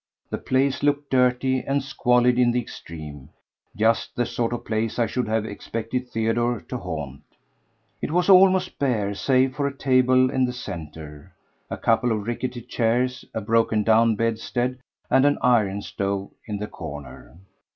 The place looked dirty and squalid in the extreme—just the sort of place I should have expected Theodore to haunt. It was almost bare save for a table in the centre, a couple of rickety chairs, a broken down bedstead and an iron stove in the corner.